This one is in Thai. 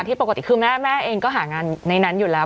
ปกติคือแม่เองก็หางานในนั้นอยู่แล้ว